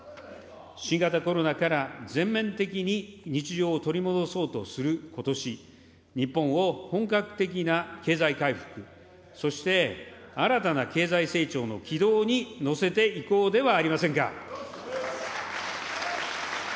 新型コロナから全面的に日常を取り戻そうとすることし、日本を本格的な経済回復、そして新たな経済成長の軌道に乗せていこうではありませんか。